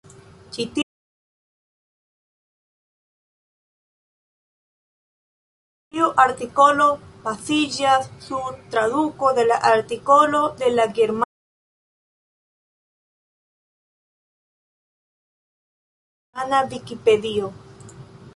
Ĉi-tiu artikolo baziĝas sur traduko de la artikolo de la germana vikipedio.